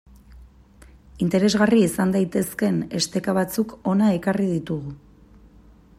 Interesgarri izan daitezkeen esteka batzuk hona ekarri ditugu.